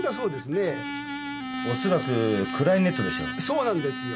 そうなんですよ。